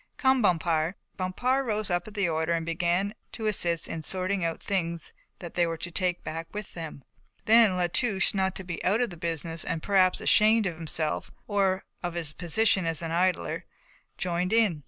Come, Bompard." Bompard rose up at the order and began to assist in sorting out the things they were to take back with them. Then La Touche, not to be out of the business and perhaps ashamed of himself, or of his position as an idler, joined in.